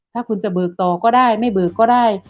ถ้าคุณจะเบิกต่อก็ได้ไม่เบิกก็ได้